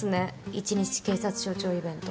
１日警察署長イベント。